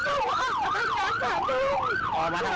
ตั้งไม่ยังไม่เห็นก็เลยว่าถ้าโปรติธรรมนี่